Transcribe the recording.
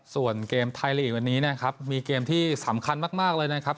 ส่วนเกมไทยลีกวันนี้นะครับมีเกมที่สำคัญมากเลยนะครับ